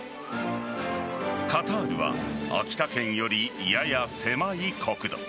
カタールは秋田県より、やや狭い国土。